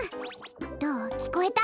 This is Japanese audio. どうきこえた？